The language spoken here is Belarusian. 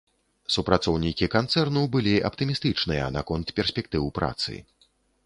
Супрацоўнікі канцэрну былі аптымістычныя наконт перспектыў працы.